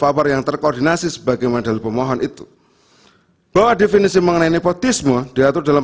power yang terkoordinasi sebagai model pemohon itu bahwa definisi mengenai nepotisme diatur dalam